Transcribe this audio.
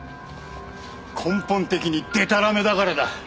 根本的にでたらめだからだ！